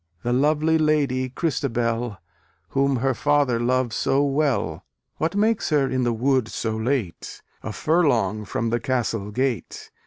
The lovely lady, Christabel, Whom her father loves so well, What makes her in the wood so late, A furlong from the castle gate?